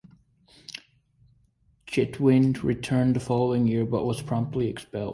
Chetwynd returned the following year but was promptly expelled.